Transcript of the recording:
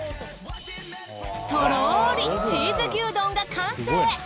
とろりチーズ牛丼が完成。